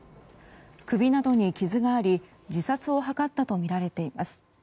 首などに傷があり自殺を図ったとみられています。